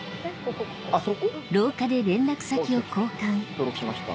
登録しました。